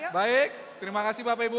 baik terima kasih bapak ibu